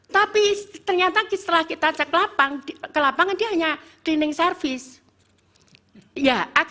tapi ternyata setelah kita cek ke lapangan dia hanya cleaning service